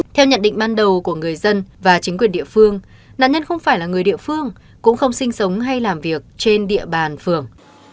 theo nhận định ban đầu của người dân và chính quyền địa phương nạn nhân không phải là người địa phương cũng không sinh sống hay làm việc trên địa bàn phường